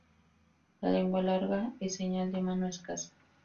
La lengua larga es señal de mano escasa